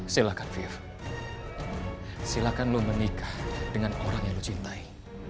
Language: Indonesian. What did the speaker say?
silakan fir silakan lo menikah dengan orang yang lo cintai